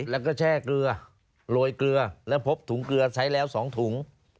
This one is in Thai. แล้วก็แช่เกลือโรยเกลือแล้วพบถุงเกลือใช้แล้ว๒ถุง